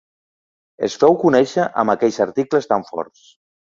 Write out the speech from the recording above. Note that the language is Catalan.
Es feu conèixer amb aquells articles tan forts.